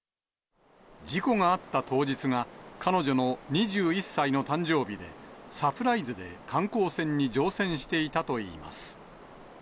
事故があった当日が、彼女の２１歳の誕生日で、サプライズで観光船に乗船していたといいます。